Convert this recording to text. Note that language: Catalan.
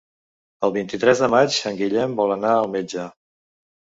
El vint-i-tres de maig en Guillem vol anar al metge.